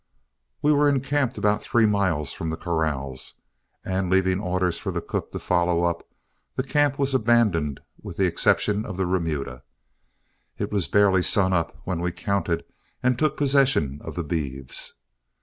We were encamped about three miles from the corrals, and leaving orders for the cook to follow up, the camp was abandoned with the exception of the remuda. It was barely sun up when we counted and took possession of the beeves.